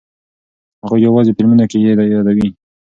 هغوی یوازې فلمونو کې یې یادوي.